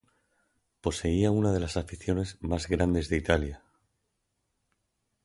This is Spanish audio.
Poseía una de las aficiones más grandes de Italia.